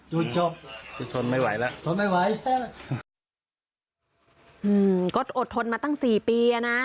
จุดจบทนไม่ไหวแล้วทนไม่ไหวอืมก็อดทนมาตั้งสี่ปีอ่ะน่ะ